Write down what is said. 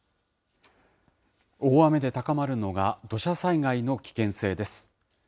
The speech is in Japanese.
大雨で高まるのが土砂災害の危険性です。